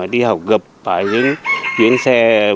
đi học gặp phải những chuyến xe